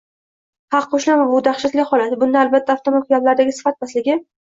Ha qo‘shilaman bu dahshatli holat. Bunda albatta avtomaktablardagi sifat pastligi